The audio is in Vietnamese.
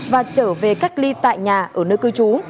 và trở về cách ly tại nhà ở nơi cư trú